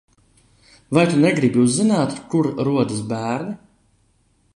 Vai tu negribi uzzināt, kur rodas bērni?